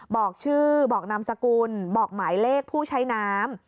บอกชื่อบอกนามสกุลบอกหมายเลขผู้ใช้น้ำ